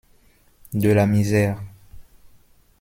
De la misère.